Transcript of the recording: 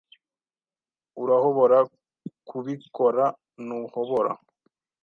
Urahobora kubikoorantuhobora